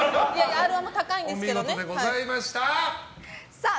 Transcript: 「Ｒ‐１」も高いんですけどね。